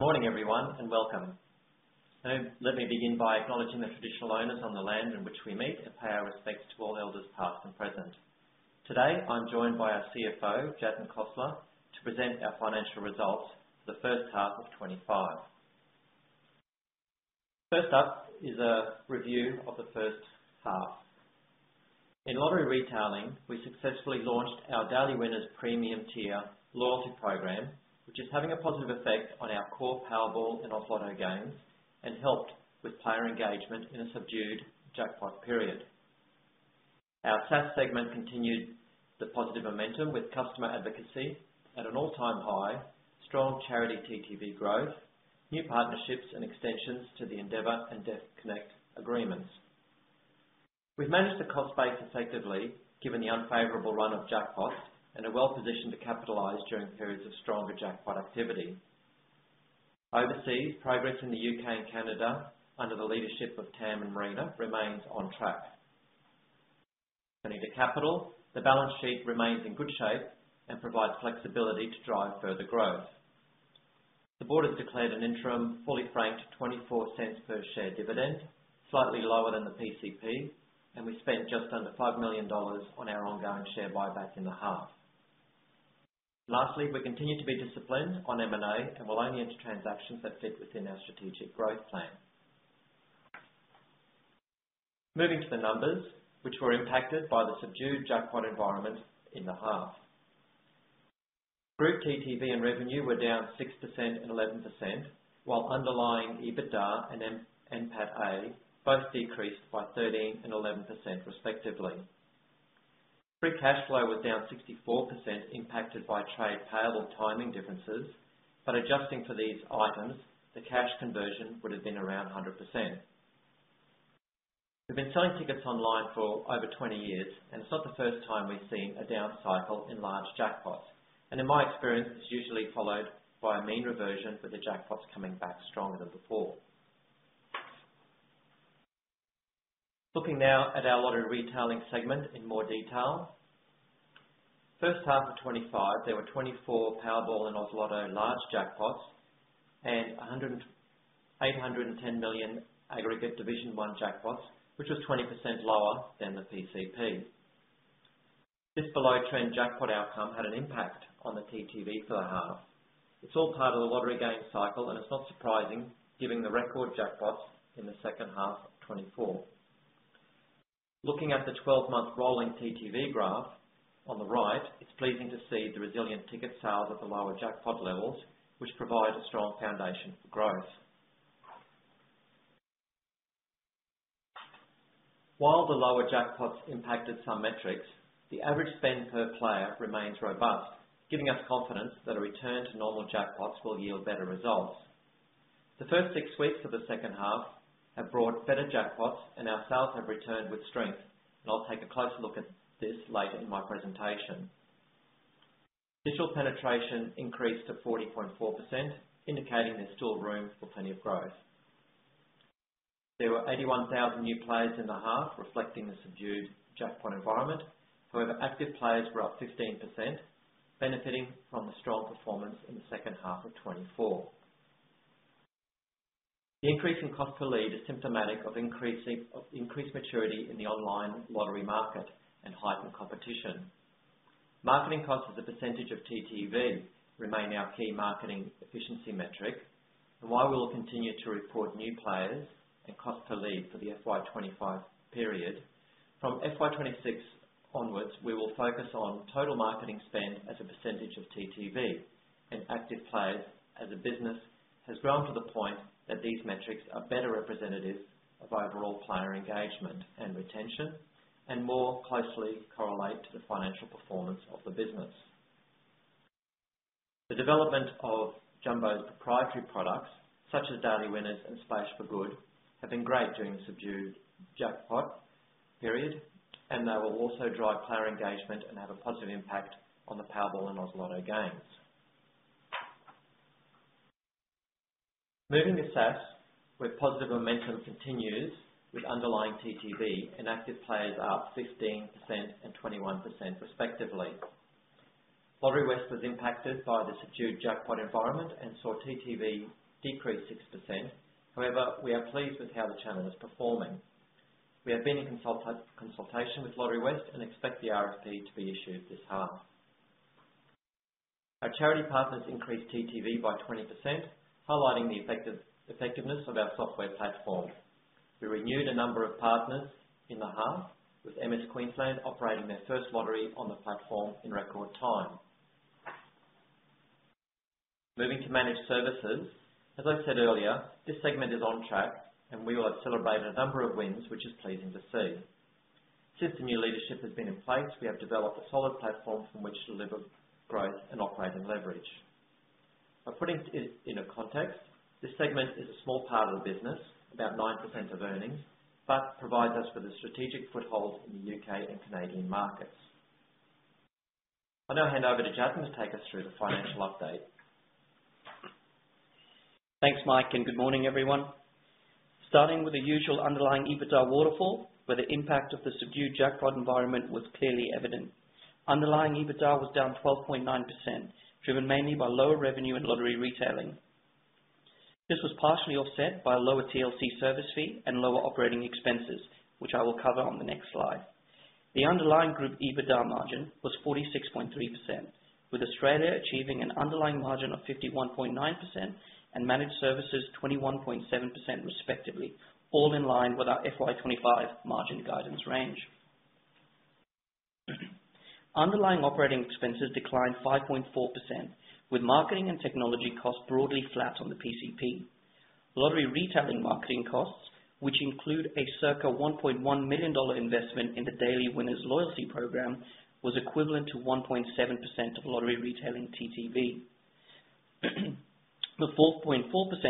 Good morning, everyone, and welcome. Let me begin by acknowledging the traditional owners on the land in which we meet and pay our respects to all elders past and present. Today, I'm joined by our CFO, Jatin Khosla, to present our financial results for the first half of 2025. First up is a review of the first half. In Lottery Retailing, we successfully launched our Daily Winners premium tier loyalty program, which is having a positive effect on our core Powerball and Oz Lotto games, and helped with player engagement in a subdued jackpot period. Our SaaS segment continued the positive momentum with customer advocacy at an all-time high, strong charity TTV growth, new partnerships, and extensions to the Endeavour and Deaf Connect agreements. We've managed the cost base effectively, given the unfavorable run of jackpots and are well positioned to capitalize during periods of stronger jackpot activity. Overseas, progress in the U.K. and Canada under the leadership of Tam and Marina remains on track. Turning to capital, the balance sheet remains in good shape and provides flexibility to drive further growth. The board has declared an interim fully-franked 0.24 per share dividend, slightly lower than the PCP, and we spent just under 5 million dollars on our ongoing share buyback in the half. Lastly, we continue to be disciplined on M&A and will only enter transactions that fit within our strategic growth plan. Moving to the numbers, which were impacted by the subdued jackpot environment in the half. Group TTV and revenue were down 6% and 11%, while underlying EBITDA and NPAT-A both decreased by 13% and 11%, respectively. Group cash flow was down 64%, impacted by trade payables timing differences, but adjusting for these items, the cash conversion would have been around 100%. We've been selling tickets online for over 20 years, and it's not the first time we've seen a down cycle in large jackpots. In my experience, it's usually followed by a mean reversion with the jackpots coming back stronger than before. Looking now at our Lottery Retailing segment in more detail, first half of 2025, there were 24 Powerball and Oz Lotto large jackpots and 810 million aggregate Division 1 jackpots, which was 20% lower than the PCP. This below-trend jackpot outcome had an impact on the TTV for the half. It's all part of the lottery game cycle, and it's not surprising, given the record jackpots in the second half of 2024. Looking at the 12-month rolling TTV graph on the right, it's pleasing to see the resilient ticket sales at the lower jackpot levels, which provide a strong foundation for growth. While the lower jackpots impacted some metrics, the average spend per player remains robust, giving us confidence that a return to normal jackpots will yield better results. The first six weeks of the second half have brought better jackpots, and our sales have returned with strength, and I'll take a closer look at this later in my presentation. Digital penetration increased to 40.4%, indicating there's still room for plenty of growth. There were 81,000 new players in the half, reflecting the subdued jackpot environment. However, active players were up 15%, benefiting from the strong performance in the second half of 2024. The increase in cost per lead is symptomatic of increased maturity in the online lottery market and heightened competition. Marketing cost as a percentage of TTV remains our key marketing efficiency metric, and while we will continue to report new players and cost per lead for the FY 2025 period, from FY 2026 onwards, we will focus on total marketing spend as a percentage of TTV and active players as the business has grown to the point that these metrics are better representatives of overall player engagement and retention and more closely correlate to the financial performance of the business. The development of Jumbo's proprietary products, such as Daily Winners and Splash for Good, have been great during the subdued jackpot period, and they will also drive player engagement and have a positive impact on the Powerball and Oz Lotto games. Moving to SaaS, where positive momentum continues with underlying TTV and active players up 15% and 21%, respectively. Lotterywest was impacted by the subdued jackpot environment and saw TTV decrease 6%. However, we are pleased with how the channel is performing. We have been in consultation with Lotterywest and expect the RFP to be issued this half. Our charity partners increased TTV by 20%, highlighting the effectiveness of our software platform. We renewed a number of partners in the half, with MS Queensland operating their first lottery on the platform in record time. Moving to Managed Services, as I said earlier, this segment is on track, and we will have celebrated a number of wins, which is pleasing to see. Since the new leadership has been in place, we have developed a solid platform from which to deliver growth and operating leverage. By putting it in context, this segment is a small part of the business, about 9% of earnings, but provides us with a strategic foothold in the U.K. and Canadian markets. I'll now hand over to Jatin to take us through the financial update. Thanks, Mike, and good morning, everyone. Starting with the usual underlying EBITDA waterfall, where the impact of the subdued jackpot environment was clearly evident. Underlying EBITDA was down 12.9%, driven mainly by lower revenue in Lottery Retailing. This was partially offset by a lower TLC service fee and lower operating expenses, which I will cover on the next slide. The underlying group EBITDA margin was 46.3%, with Australia achieving an underlying margin of 51.9% and Managed Services 21.7%, respectively, all in line with our FY 2025 margin guidance range. Underlying operating expenses declined 5.4%, with marketing and technology costs broadly flat on the PCP. Lottery Retailing marketing costs, which include a circa 1.1 million dollar investment in the Daily Winners loyalty program, were equivalent to 1.7% of Lottery Retailing TTV. The 4.4%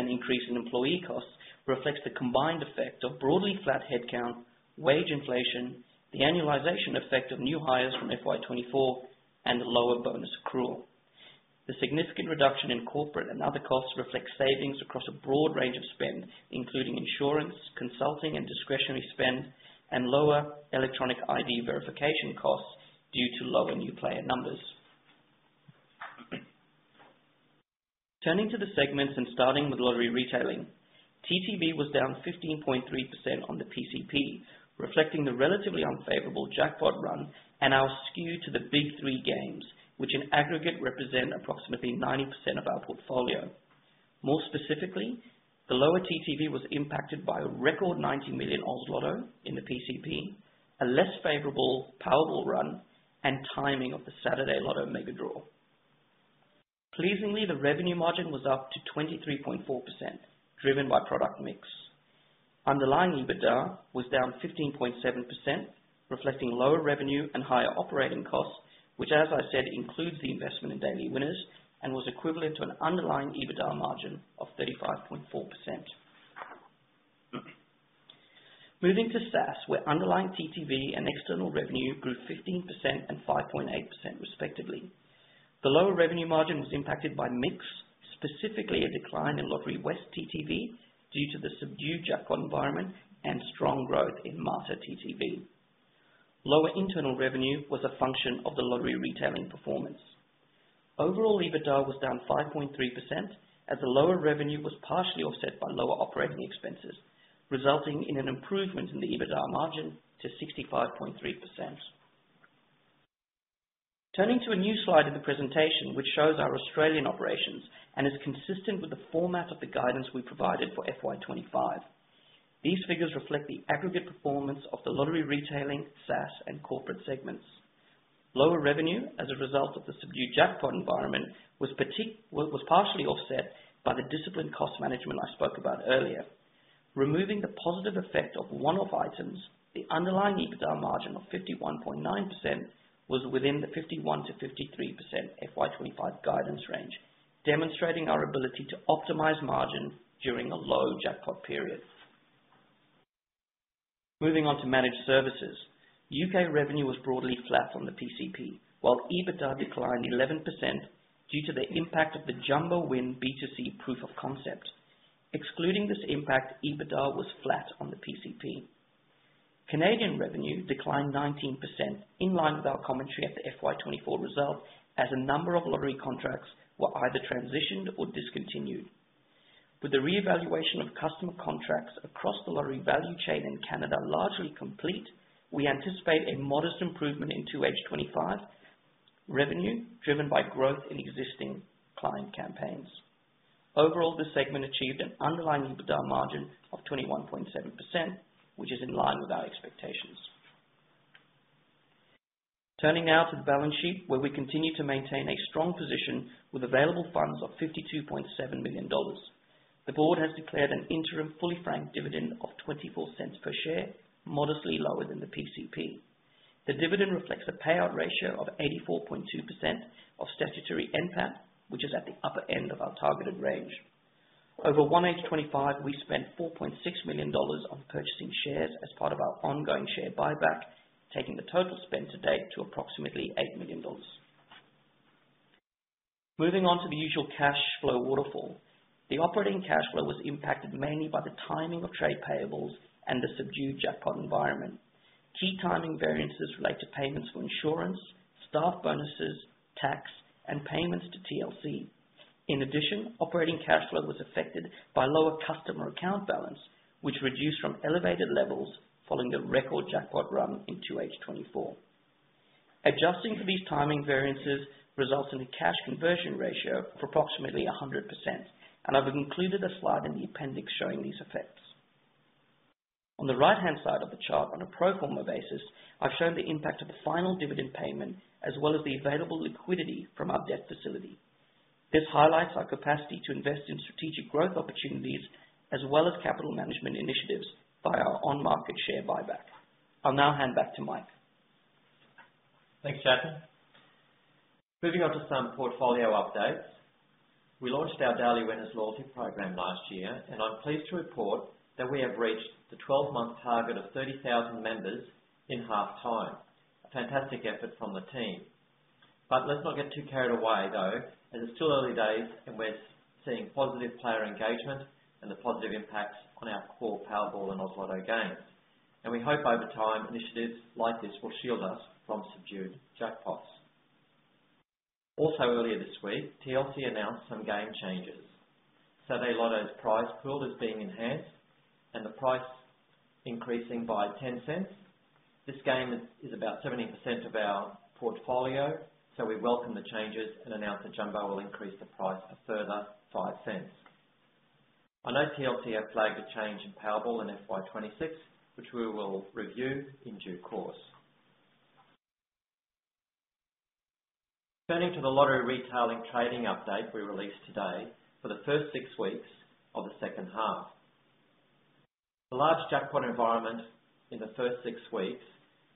increase in employee costs reflects the combined effect of broadly flat headcount, wage inflation, the annualization effect of new hires from FY 2024, and the lower bonus accrual. The significant reduction in corporate and other costs reflects savings across a broad range of spend, including insurance, consulting, and discretionary spend, and lower electronic ID verification costs due to lower new player numbers. Turning to the segments and starting with Lottery Retailing, TTV was down 15.3% on the PCP, reflecting the relatively unfavorable jackpot run and our skew to the big three games, which in aggregate represent approximately 90% of our portfolio. More specifically, the lower TTV was impacted by a record 90 million Oz Lotto in the PCP, a less favorable Powerball run, and timing of the Saturday Lotto Megadraw. Pleasingly, the revenue margin was up to 23.4%, driven by product mix. Underlying EBITDA was down 15.7%, reflecting lower revenue and higher operating costs, which, as I said, includes the investment in Daily Winners and was equivalent to an underlying EBITDA margin of 35.4%. Moving to SaaS, where underlying TTV and external revenue grew 15% and 5.8%, respectively. The lower revenue margin was impacted by mix, specifically a decline in Lotterywest TTV due to the subdued jackpot environment and strong growth in Mater TTV. Lower internal revenue was a function of the Lottery Retailing performance. Overall, EBITDA was down 5.3%, as the lower revenue was partially offset by lower operating expenses, resulting in an improvement in the EBITDA margin to 65.3%. Turning to a new slide in the presentation, which shows our Australian operations and is consistent with the format of the guidance we provided for FY 2025. These figures reflect the aggregate performance of the Lottery Retailing, SaaS, and corporate segments. Lower revenue, as a result of the subdued jackpot environment, was partially offset by the disciplined cost management I spoke about earlier. Removing the positive effect of one-off items, the underlying EBITDA margin of 51.9% was within the 51%-53% FY 2025 guidance range, demonstrating our ability to optimize margin during a low jackpot period. Moving on to managed services, U.K. revenue was broadly flat on the PCP, while EBITDA declined 11% due to the impact of the Jumbo Win B2C proof of concept. Excluding this impact, EBITDA was flat on the PCP. Canadian revenue declined 19%, in line with our commentary at the FY 2024 result, as a number of lottery contracts were either transitioned or discontinued. With the re-evaluation of customer contracts across the lottery value chain in Canada largely complete, we anticipate a modest improvement into FY 2025 revenue, driven by growth in existing client campaigns. Overall, the segment achieved an underlying EBITDA margin of 21.7%, which is in line with our expectations. Turning now to the balance sheet, where we continue to maintain a strong position with available funds of 52.7 million dollars. The board has declared an interim fully-franked dividend of 0.24 per share, modestly lower than the PCP. The dividend reflects a payout ratio of 84.2% of statutory NPAT, which is at the upper end of our targeted range. In FY 2025, we spent 4.6 million dollars on purchasing shares as part of our ongoing share buyback, taking the total spend to date to approximately 8 million dollars. Moving on to the usual cash flow waterfall, the operating cash flow was impacted mainly by the timing of trade payables and the subdued jackpot environment. Key timing variances relate to payments for insurance, staff bonuses, tax, and payments to TLC. In addition, operating cash flow was affected by lower customer account balance, which reduced from elevated levels following the record jackpot run in 2H24. Adjusting for these timing variances results in a cash conversion ratio of approximately 100%, and I've included a slide in the appendix showing these effects. On the right-hand side of the chart, on a pro forma basis, I've shown the impact of the final dividend payment as well as the available liquidity from our debt facility. This highlights our capacity to invest in strategic growth opportunities as well as capital management initiatives via our on-market share buyback. I'll now hand back to Mike. Thanks, Jatin. Moving on to some portfolio updates. We launched our Daily Winners loyalty program last year, and I'm pleased to report that we have reached the 12-month target of 30,000 members in half-time. A fantastic effort from the team. But let's not get too carried away, though, as it's still early days and we're seeing positive player engagement and the positive impacts on our core Powerball and Oz Lotto games. And we hope over time, initiatives like this will shield us from subdued jackpots. Also, earlier this week, TLC announced some game changes. Saturday Lotto's prize pool is being enhanced and the price increasing by 0.10. This game is about 17% of our portfolio, so we welcome the changes and announced that Jumbo will increase the price a further 0.05. I know TLC has flagged a change in Powerball in FY 2026, which we will review in due course. Turning to the Lottery Retailing trading update we released today for the first six weeks of the second half. The large jackpot environment in the first six weeks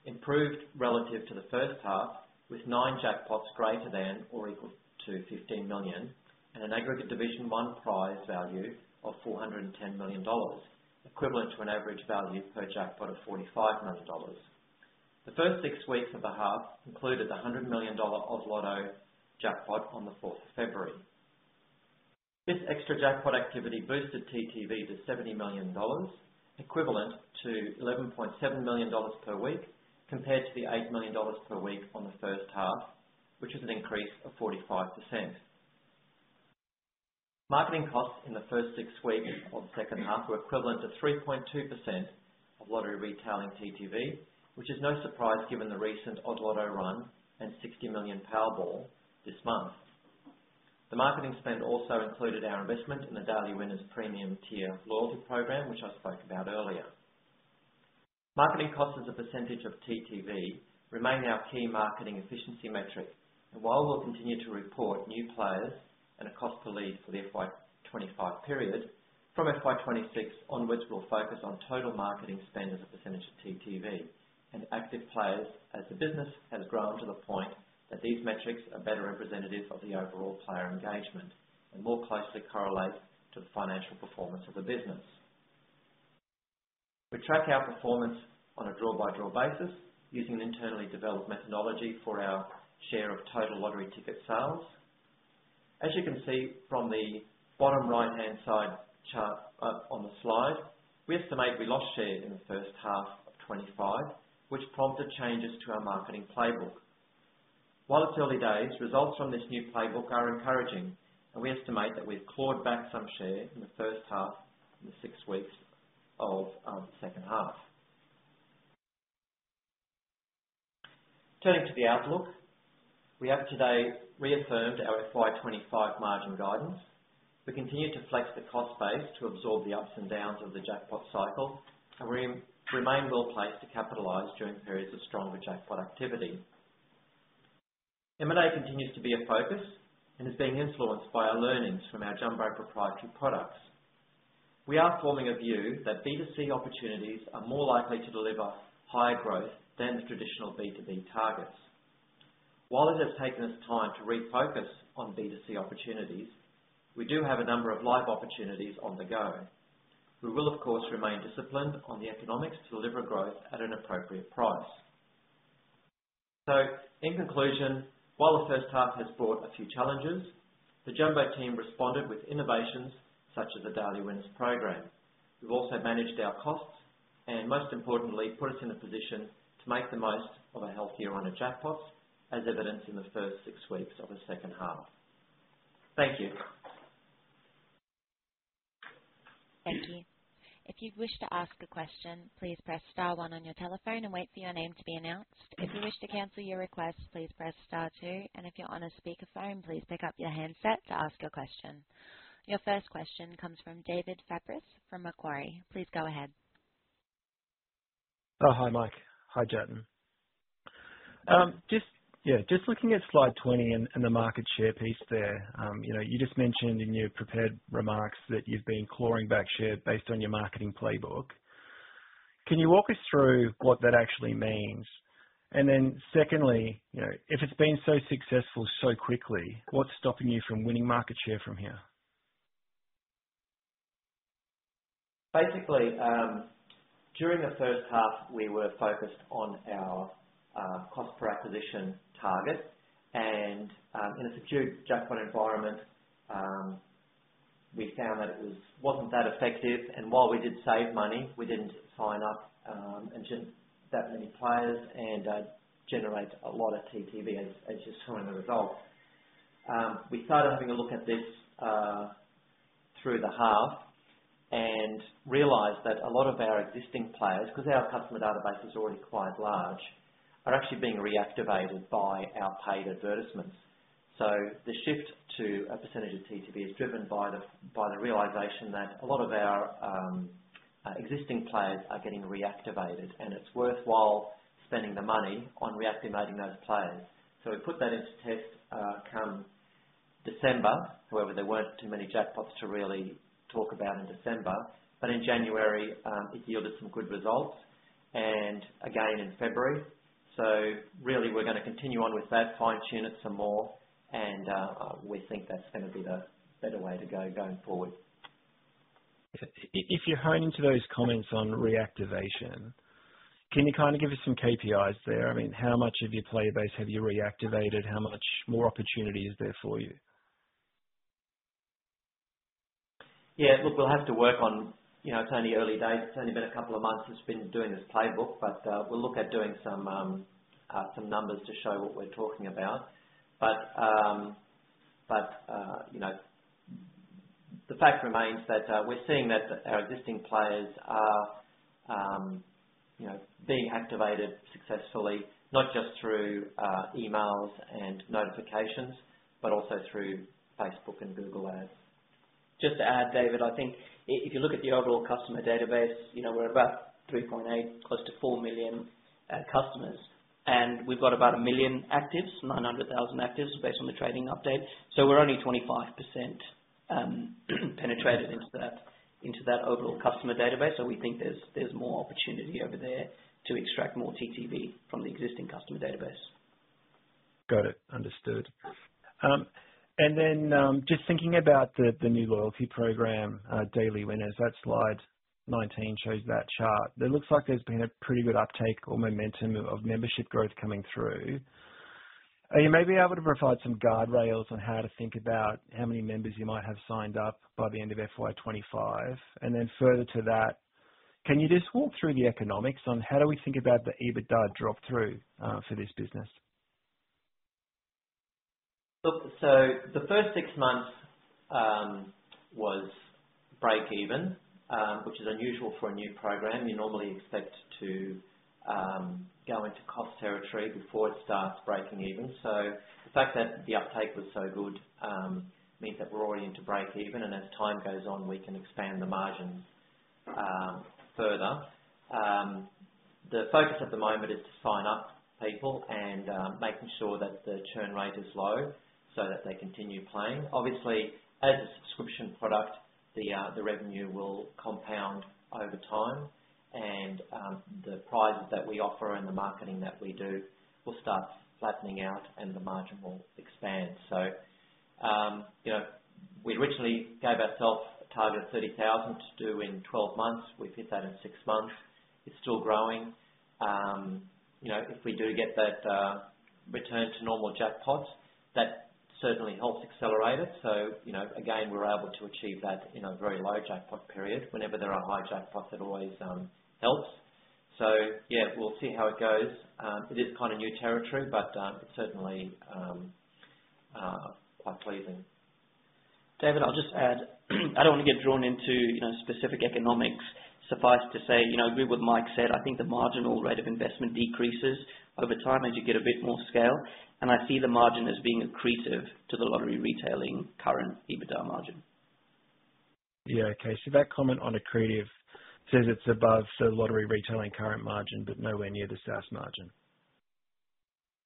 improved relative to the first half, with nine jackpots greater than or equal to 15 million and an aggregate Division 1 prize value of 410 million dollars, equivalent to an average value per jackpot of 45 million dollars. The first six weeks of the half included the 100 million dollar Oz Lotto jackpot on the 4th of February. This extra jackpot activity boosted TTV to 70 million dollars, equivalent to 11.7 million dollars per week, compared to the 8 million dollars per week on the first half, which is an increase of 45%. Marketing costs in the first six weeks of the second half were equivalent to 3.2% of Lottery Retailing TTV, which is no surprise given the recent Oz Lotto run and 60 million Powerball this month. The marketing spend also included our investment in the Daily Winners premium tier loyalty program, which I spoke about earlier. Marketing costs as a percentage of TTV remain our key marketing efficiency metric, and while we'll continue to report new players and a cost per lead for the FY 2025 period, from FY 2026 onwards, we'll focus on total marketing spend as a percentage of TTV and active players as the business has grown to the point that these metrics are better representative of the overall player engagement and more closely correlate to the financial performance of the business. We track our performance on a draw-by-draw basis using an internally developed methodology for our share of total lottery ticket sales. As you can see from the bottom right-hand side chart on the slide, we estimate we lost share in the first half of 2025, which prompted changes to our marketing playbook. While it's early days, results from this new playbook are encouraging, and we estimate that we've clawed back some share in the first half of the six weeks of the second half. Turning to the outlook, we have today reaffirmed our FY 2025 margin guidance. We continue to flex the cost base to absorb the ups and downs of the jackpot cycle, and we remain well placed to capitalize during periods of stronger jackpot activity. M&A continues to be a focus and is being influenced by our learnings from our Jumbo proprietary products. We are forming a view that B2C opportunities are more likely to deliver higher growth than the traditional B2B targets. While it has taken us time to refocus on B2C opportunities, we do have a number of live opportunities on the go. We will, of course, remain disciplined on the economics to deliver growth at an appropriate price. So, in conclusion, while the first half has brought a few challenges, the Jumbo team responded with innovations such as the Daily Winners program. We've also managed our costs and, most importantly, put us in a position to make the most of a healthier run of jackpots, as evidenced in the first six weeks of the second half. Thank you. Thank you. If you wish to ask a question, please press star one on your telephone and wait for your name to be announced. If you wish to cancel your request, please press star two. And if you're on a speakerphone, please pick up your handset to ask your question. Your first question comes from David Fabris from Macquarie. Please go ahead. Hi, Mike. Hi, Jatin. Just looking at slide 20 and the market share piece there, you just mentioned in your prepared remarks that you've been clawing back share based on your marketing playbook. Can you walk us through what that actually means? And then secondly, if it's been so successful so quickly, what's stopping you from winning market share from here? Basically, during the first half, we were focused on our cost per acquisition target. And in a subdued jackpot environment, we found that it wasn't that effective. And while we did save money, we didn't sign up that many players and generate a lot of TTV as just showing the result. We started having a look at this through the half and realized that a lot of our existing players, because our customer database is already quite large, are actually being reactivated by our paid advertisements. So the shift to a percentage of TTV is driven by the realization that a lot of our existing players are getting reactivated, and it's worthwhile spending the money on reactivating those players. So we put that into test come December, however, there weren't too many jackpots to really talk about in December. But in January, it yielded some good results. Again in February. Really, we're going to continue on with that, fine-tune it some more, and we think that's going to be the better way to go going forward. If you're homing in on those comments on reactivation, can you kind of give us some KPIs there? I mean, how much of your player base have you reactivated? How much more opportunity is there for you? Yeah, look, we'll have to work on it. It's only early days. It's only been a couple of months since we've been doing this playbook, but we'll look at doing some numbers to show what we're talking about. But the fact remains that we're seeing that our existing players are being activated successfully, not just through emails and notifications, but also through Facebook and Google Ads. Just to add, David, I think if you look at the overall customer database, we're about 3.8 million close to 4 million customers. And we've got about a million actives, 900,000 actives based on the trading update. So we're only 25% penetrated into that overall customer database. So we think there's more opportunity over there to extract more TTV from the existing customer database. Got it. Understood. And then just thinking about the new loyalty program, Daily Winners, that slide 19 shows that chart. It looks like there's been a pretty good uptake or momentum of membership growth coming through. Are you maybe able to provide some guardrails on how to think about how many members you might have signed up by the end of FY 2025? And then further to that, can you just walk through the economics on how do we think about the EBITDA drop-through for this business? Look, so the first six months was break-even, which is unusual for a new program. You normally expect to go into cost territory before it starts breaking even. So the fact that the uptake was so good means that we're already into break-even, and as time goes on, we can expand the margins further. The focus at the moment is to sign up people and making sure that the churn rate is low so that they continue playing. Obviously, as a subscription product, the revenue will compound over time, and the prizes that we offer and the marketing that we do will start flattening out, and the margin will expand. So we originally gave ourselves a target of 30,000 to do in 12 months. We've hit that in six months. It's still growing. If we do get that return to normal jackpots, that certainly helps accelerate it. So again, we're able to achieve that in a very low jackpot period. Whenever there are high jackpots, it always helps. So yeah, we'll see how it goes. It is kind of new territory, but it's certainly quite pleasing. David, I'll just add, I don't want to get drawn into specific economics. Suffice to say, I agree with Mike said, I think the marginal rate of investment decreases over time as you get a bit more scale, and I see the margin as being accretive to the Lottery Retailing current EBITDA margin. Yeah, okay. So that comment on accretive says it's above the Lottery Retailing current margin, but nowhere near the SaaS margin.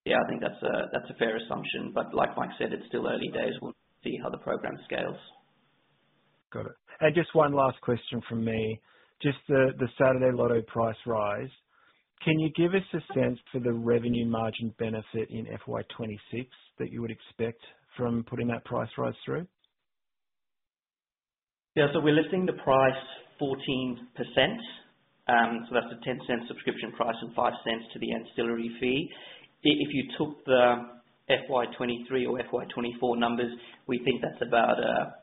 Yeah, I think that's a fair assumption, but like Mike said, it's still early days. We'll see how the program scales. Got it. And just one last question from me. Just the Saturday Lotto price rise, can you give us a sense for the revenue margin benefit in FY 2026 that you would expect from putting that price rise through? Yeah, so we're lifting the price 14%. So that's a 0.10 subscription price and 0.05 to the ancillary fee. If you took the FY 2023 or FY 2024 numbers, we think that's about a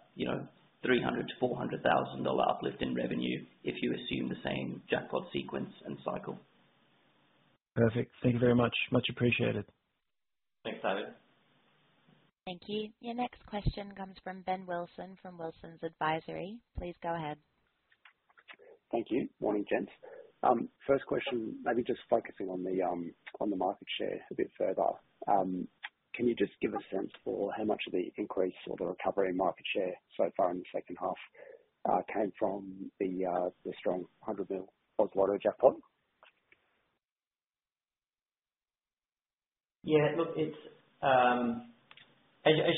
300,000-400,000 dollar uplift in revenue if you assume the same jackpot sequence and cycle. Perfect. Thank you very much. Much appreciated. Thanks, David. Thank you. Your next question comes from Ben Wilson from Wilsons Advisory. Please go ahead. Thank you. Morning, gents. First question, maybe just focusing on the market share a bit further. Can you just give a sense for how much of the increase or the recovery in market share so far in the second half came from the strong $100 million Oz Lotto jackpot? Yeah, look, as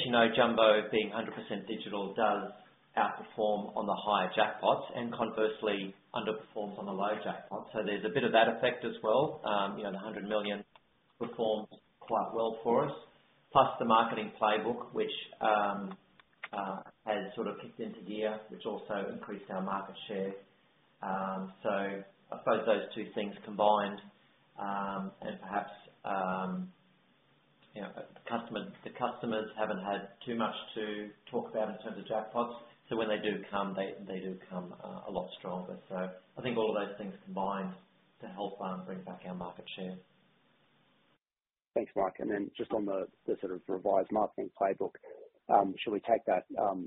you know, Jumbo being 100% digital does outperform on the higher jackpots and conversely underperforms on the low jackpots. So there's a bit of that effect as well. The $100 million performed quite well for us, plus the marketing playbook, which has sort of kicked into gear, which also increased our market share. So I suppose those two things combined and perhaps the customers haven't had too much to talk about in terms of jackpots. So when they do come, they do come a lot stronger. So I think all of those things combined to help bring back our market share. Thanks, Mike. And then just on the sort of revised marketing playbook, should we take that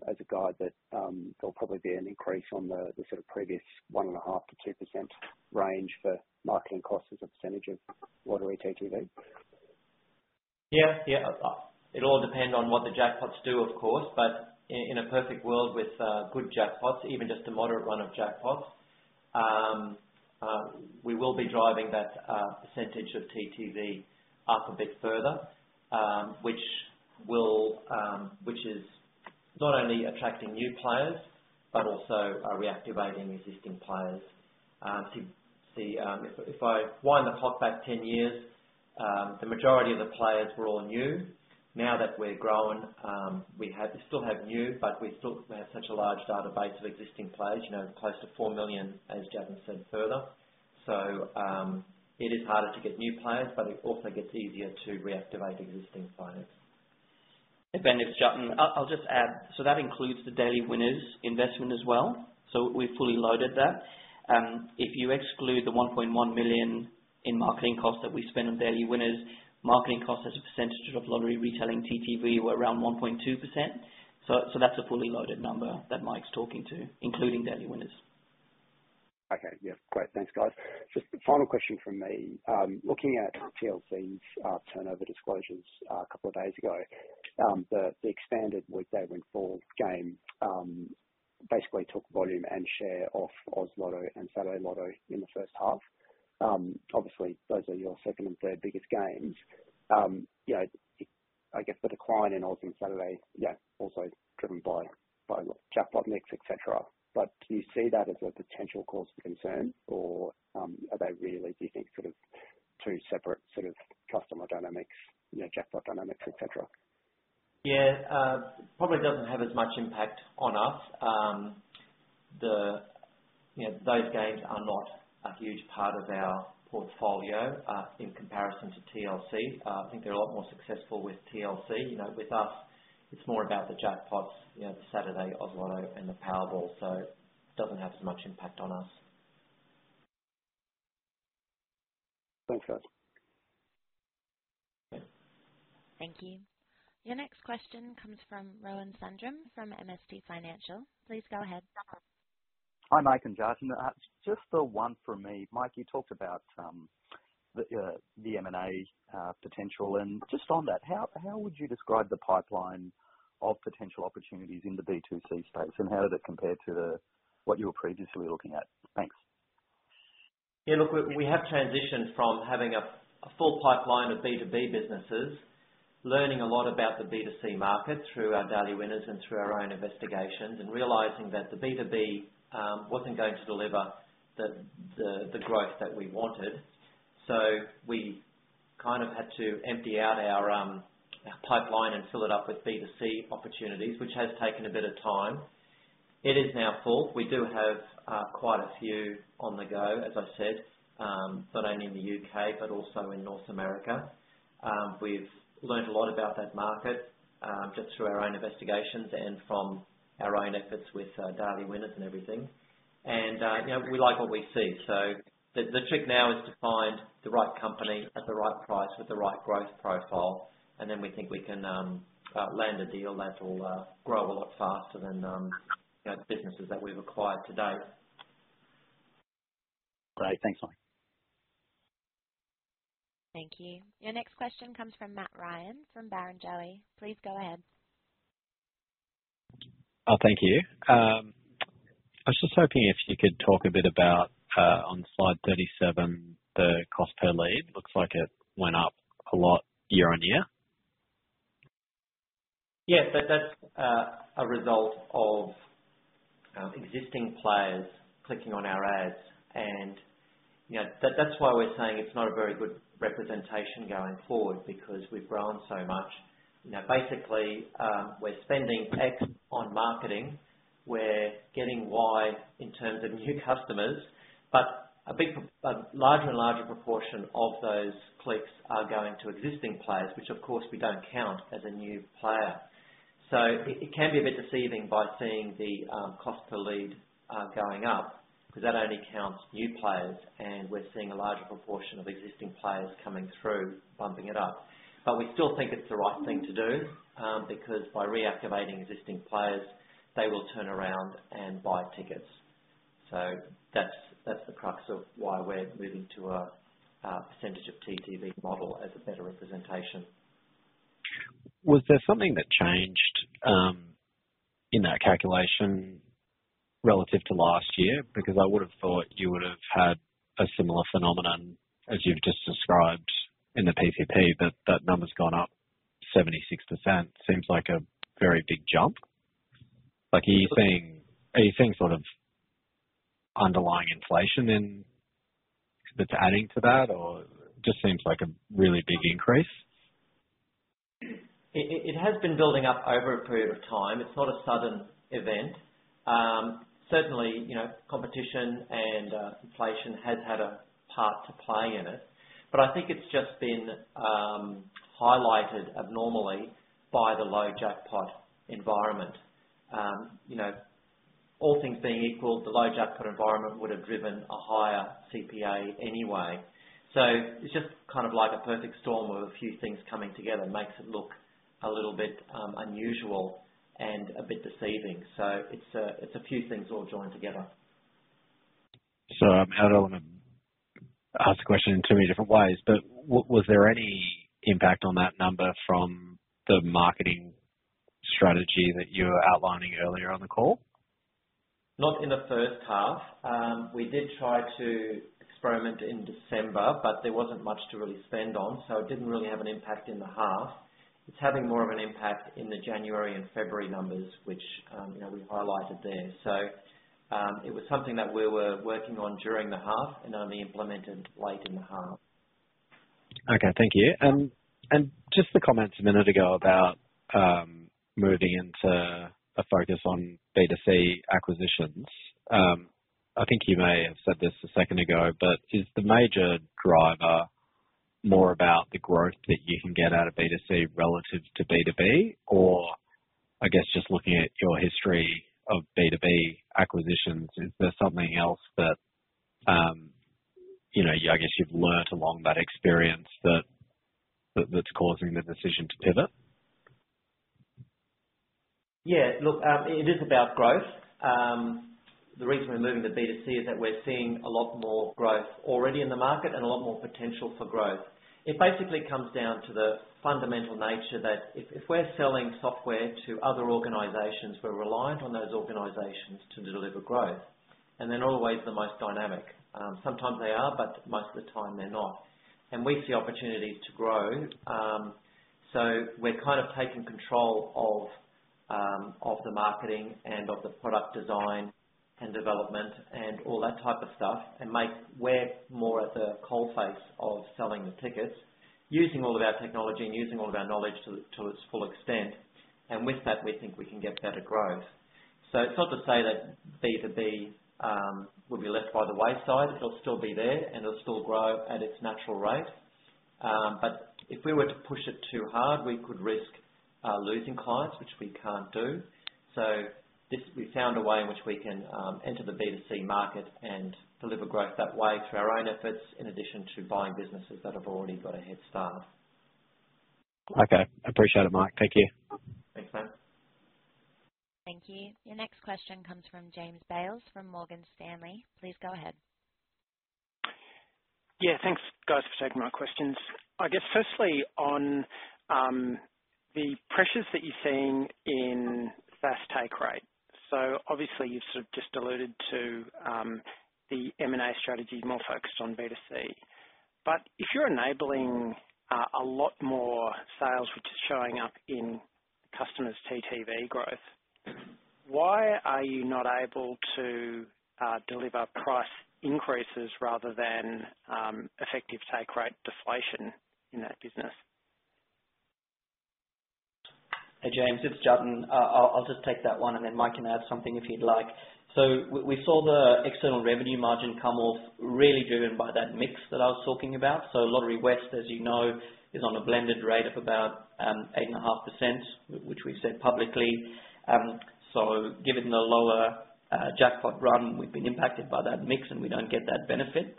as a guide that there'll probably be an increase on the sort of previous 1.5%-2% range for marketing costs as a percentage of lottery TTV? Yeah, yeah. It'll all depend on what the jackpots do, of course, but in a perfect world with good jackpots, even just a moderate run of jackpots, we will be driving that percentage of TTV up a bit further, which is not only attracting new players, but also reactivating existing players. If I wind the clock back 10 years, the majority of the players were all new. Now that we're growing, we still have new, but we have such a large database of existing players, close to 4 million, as Jatin said further, so it is harder to get new players, but it also gets easier to reactivate existing players, and then, Jatin, I'll just add, so that includes the Daily Winners' investment as well, so we've fully loaded that. If you exclude the 1.1 million in marketing costs that we spend on Daily Winners, marketing costs as a percentage of Lottery Retailing TTV were around 1.2%. So that's a fully loaded number that Mike's talking to, including Daily Winners. Okay. Yeah, great. Thanks, guys. Just final question from me. Looking at TLC's turnover disclosures a couple of days ago, the expanded Weekday Windfall game basically took volume and share off Oz Lotto and Saturday Lotto in the first half. Obviously, those are your second and third biggest games. I guess the decline in Oz Lotto and Saturday Lotto, yeah, also driven by jackpot mix, etc. But do you see that as a potential cause for concern, or are they really, do you think, sort of two separate sort of customer dynamics, jackpot dynamics, etc.? Yeah, probably doesn't have as much impact on us. Those games are not a huge part of our portfolio in comparison to TLC. I think they're a lot more successful with TLC. With us, it's more about the jackpots, the Saturday Oz Lotto and the Powerball. So it doesn't have as much impact on us. Thanks, guys. Thank you. Your next question comes from Rohan Sundram from MST Financial. Please go ahead. Hi, Mike and Jatin. Just the one for me. Mike, you talked about the M&A potential. And just on that, how would you describe the pipeline of potential opportunities in the B2C space, and how did it compare to what you were previously looking at? Thanks. Yeah, look, we have transitioned from having a full pipeline of B2B businesses, learning a lot about the B2C market through our Daily Winners and through our own investigations, and realizing that the B2B wasn't going to deliver the growth that we wanted. So we kind of had to empty out our pipeline and fill it up with B2C opportunities, which has taken a bit of time. It is now full. We do have quite a few on the go, as I said, not only in the U.K., but also in North America. We've learned a lot about that market just through our own investigations and from our own efforts with Daily Winners and everything. We like what we see. So the trick now is to find the right company at the right price with the right growth profile, and then we think we can land a deal that'll grow a lot faster than businesses that we've acquired to date. Great. Thanks, Mike. Thank you. Your next question comes from Matt Ryan from Barrenjoey. Please go ahead. Thank you. I was just hoping if you could talk a bit about, on slide 37, the cost per lead. Looks like it went up a lot year on year. Yeah, that's a result of existing players clicking on our ads, and that's why we're saying it's not a very good representation going forward because we've grown so much. Basically, we're spending X on marketing. We're getting Y in terms of new customers, but a larger and larger proportion of those clicks are going to existing players, which, of course, we don't count as a new player, so it can be a bit deceiving by seeing the cost per lead going up because that only counts new players, and we're seeing a larger proportion of existing players coming through, bumping it up, but we still think it's the right thing to do because by reactivating existing players, they will turn around and buy tickets, so that's the crux of why we're moving to a percentage of TTV model as a better representation. Was there something that changed in that calculation relative to last year? Because I would have thought you would have had a similar phenomenon as you've just described in the PCP, but that number's gone up 76%. Seems like a very big jump. Are you seeing sort of underlying inflation that's adding to that, or it just seems like a really big increase? It has been building up over a period of time. It's not a sudden event. Certainly, competition and inflation has had a part to play in it. But I think it's just been highlighted abnormally by the low jackpot environment. All things being equal, the low jackpot environment would have driven a higher CPA anyway. So it's just kind of like a perfect storm with a few things coming together. It makes it look a little bit unusual and a bit deceiving. So it's a few things all joined together. So I'm going to ask the question in too many different ways, but was there any impact on that number from the marketing strategy that you were outlining earlier on the call? Not in the first half. We did try to experiment in December, but there wasn't much to really spend on, so it didn't really have an impact in the half. It's having more of an impact in the January and February numbers, which we highlighted there. So it was something that we were working on during the half and only implemented late in the half. Okay, thank you. And just the comments a minute ago about moving into a focus on B2C acquisitions. I think you may have said this a second ago, but is the major driver more about the growth that you can get out of B2C relative to B2B, or I guess just looking at your history of B2B acquisitions, is there something else that I guess you've learned along that experience that's causing the decision to pivot? Yeah, look, it is about growth. The reason we're moving to B2C is that we're seeing a lot more growth already in the market and a lot more potential for growth. It basically comes down to the fundamental nature that if we're selling software to other organizations, we're reliant on those organizations to deliver growth. And they're not always the most dynamic. Sometimes they are, but most of the time they're not. And we see opportunities to grow. So we're kind of taking control of the marketing and of the product design and development and all that type of stuff and we're more at the coalface of selling the tickets, using all of our technology and using all of our knowledge to its full extent. And with that, we think we can get better growth. So it's not to say that B2B will be left by the wayside. It'll still be there, and it'll still grow at its natural rate. But if we were to push it too hard, we could risk losing clients, which we can't do. So we found a way in which we can enter the B2C market and deliver growth that way through our own efforts in addition to buying businesses that have already got a head start. Okay. Appreciate it, Mike. Thank you. Thanks, Matt. Thank you. Your next question comes from James Bales from Morgan Stanley. Please go ahead. Yeah, thanks, guys, for taking my questions. I guess firstly, on the pressures that you're seeing in fast take rate. So obviously, you've sort of just alluded to the M&A strategy more focused on B2C. But if you're enabling a lot more sales, which is showing up in customers' TTV growth, why are you not able to deliver price increases rather than effective take rate deflation in that business? Hey, James, it's Jatin. I'll just take that one, and then Mike can add something if he'd like. So we saw the external revenue margin come off really driven by that mix that I was talking about. So Lotterywest, as you know, is on a blended rate of about 8.5%, which we've said publicly. So given the lower jackpot run, we've been impacted by that mix, and we don't get that benefit.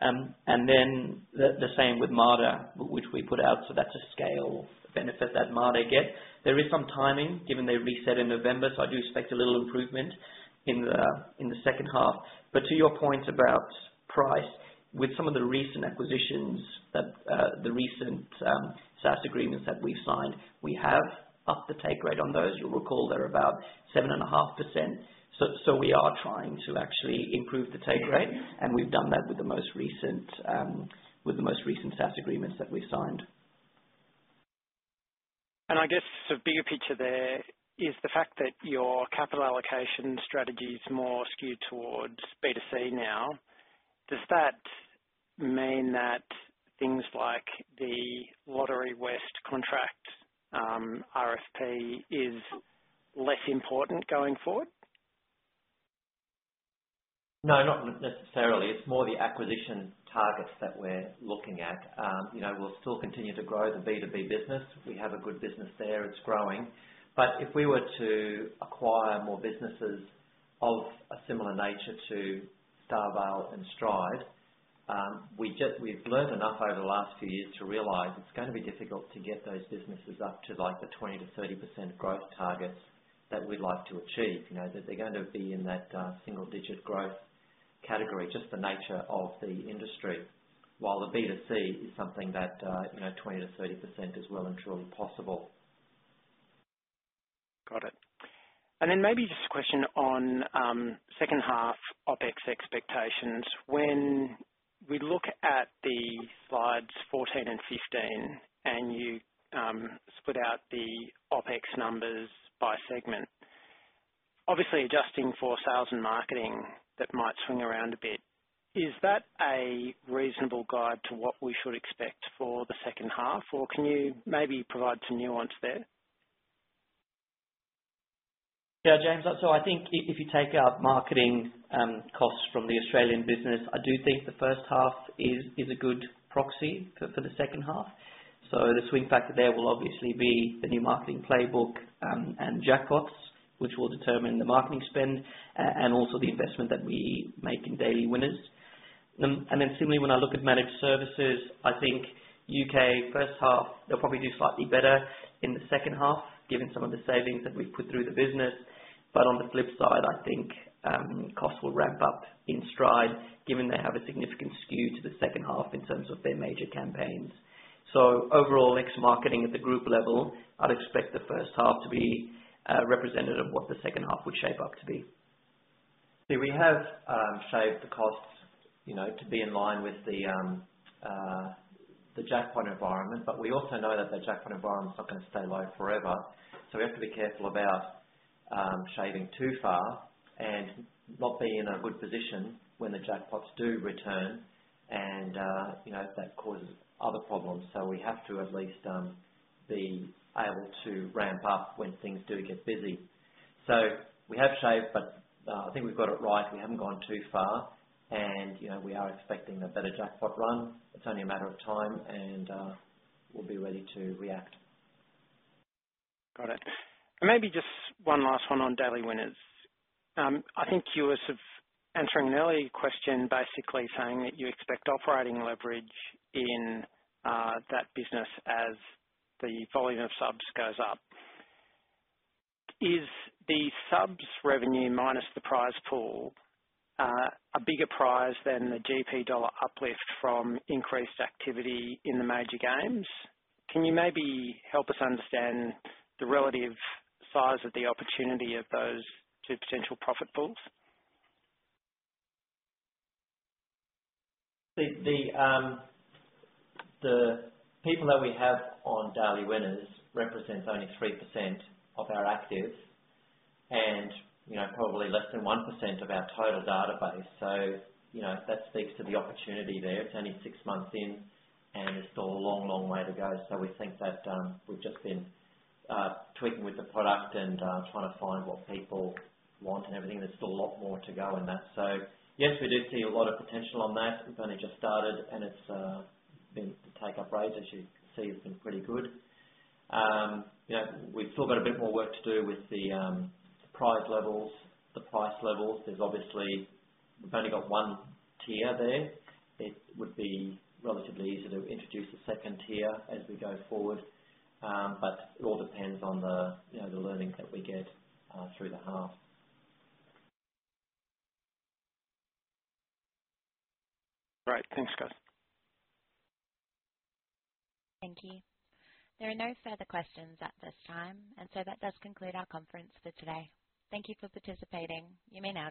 And then the same with Mater, which we put out. So that's a scale benefit that Mater gets. There is some timing given they reset in November, so I do expect a little improvement in the second half. But to your point about price, with some of the recent acquisitions, the recent SaaS agreements that we've signed, we have upped the take rate on those. You'll recall they're about 7.5%. So we are trying to actually improve the take rate, and we've done that with the most recent SaaS agreements that we've signed. I guess the bigger picture there is the fact that your capital allocation strategy is more skewed towards B2C now. Does that mean that things like the Lotterywest contract RFP is less important going forward? No, not necessarily. It's more the acquisition targets that we're looking at. We'll still continue to grow the B2B business. We have a good business there. It's growing. But if we were to acquire more businesses of a similar nature to Starvale and Stride, we've learned enough over the last few years to realize it's going to be difficult to get those businesses up to the 20-30% growth targets that we'd like to achieve. They're going to be in that single-digit growth category, just the nature of the industry, while the B2C is something that 20-30% is well and truly possible. Got it. And then maybe just a question on second half OpEx expectations. When we look at the slides 14 and 15, and you split out the OpEx numbers by segment, obviously adjusting for sales and marketing that might swing around a bit, is that a reasonable guide to what we should expect for the second half, or can you maybe provide some nuance there? Yeah, James. So I think if you take our marketing costs from the Australian business, I do think the first half is a good proxy for the second half. So the swing factor there will obviously be the new marketing playbook and jackpots, which will determine the marketing spend and also the investment that we make in Daily Winners. And then similarly, when I look at Managed Services, I think U.K. first half, they'll probably do slightly better in the second half given some of the savings that we've put through the business. But on the flip side, I think costs will ramp up in Stride given they have a significant skew to the second half in terms of their major campaigns. So overall ex-marketing at the group level, I'd expect the first half to be representative of what the second half would shape up to be. See, we have shaved the costs to be in line with the jackpot environment, but we also know that that jackpot environment's not going to stay low forever. So we have to be careful about shaving too far and not being in a good position when the jackpots do return, and that causes other problems. So we have to at least be able to ramp up when things do get busy. So we have shaved, but I think we've got it right. We haven't gone too far, and we are expecting a better jackpot run. It's only a matter of time, and we'll be ready to react. Got it. And maybe just one last one on Daily Winners. I think you were sort of answering an earlier question, basically saying that you expect operating leverage in that business as the volume of subs goes up. Is the subs revenue minus the prize pool a bigger prize than the GP dollar uplift from increased activity in the major games? Can you maybe help us understand the relative size of the opportunity of those two potential profit pools? The people that we have on Daily Winners represent only 3% of our active and probably less than 1% of our total database. So that speaks to the opportunity there. It's only six months in, and there's still a long, long way to go. So we think that we've just been tweaking with the product and trying to find what people want and everything. There's still a lot more to go in that. So yes, we do see a lot of potential on that. We've only just started, and the take-up rate, as you can see, has been pretty good. We've still got a bit more work to do with the prize levels, the price levels. There's obviously we've only got one tier there. It would be relatively easy to introduce a second tier as we go forward, but it all depends on the learning that we get through the half. Right. Thanks, guys. Thank you. There are no further questions at this time, and so that does conclude our conference for today. Thank you for participating. You may now disconnect.